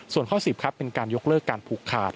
ส่วนข้อ๑๐ครับเป็นการยกเลิกการผูกขาด